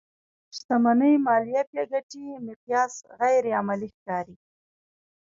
شتمنۍ ماليه پيکيټي مقیاس غیر عملي ښکاري.